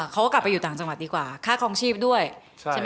เขาก็กลับไปอยู่ต่างจังหวัดดีกว่าค่าครองชีพด้วยใช่ไหม